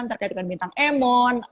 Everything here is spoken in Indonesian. terkait dengan bintang emon